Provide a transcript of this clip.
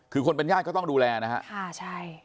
คือคนเป็นญาติก็ต้องดูแลนะครับ